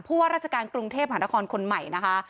เพราะว่าราชการกรุงเทพฯหันตะคอนคนใหม่นะคะ